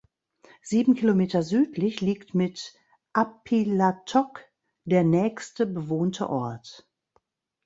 Sieben Kilometer südlich liegt mit Aappilattoq der nächste bewohnte Ort.